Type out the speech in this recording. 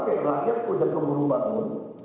seperti rakyat sudah belum bangun